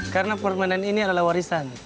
karena permainan ini adalah warisan